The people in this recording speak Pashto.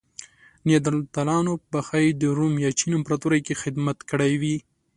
نیاندرتالانو به ښايي د روم یا چین امپراتورۍ کې خدمت کړی وی.